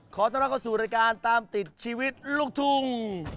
ขอต้อนรับเข้าสู่รายการตามติดชีวิตลูกทุ่ง